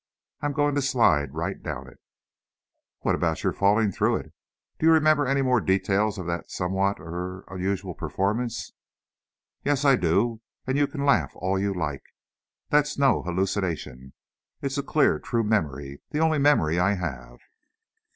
I'm going to slide right down it." "What about your falling through it? Do you remember any more details of that somewhat er unusual performance?" "Yes, I do! And you can laugh all you like. That's no hallucination, it's a clear, true memory, the only memory I have."